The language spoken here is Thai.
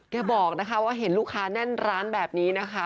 บอกนะคะว่าเห็นลูกค้าแน่นร้านแบบนี้นะคะ